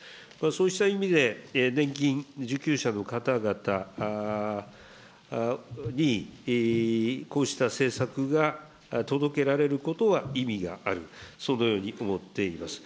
そうした意味で、年金受給者の方々に、こうした政策が届けられることは意味がある、そのように思っています。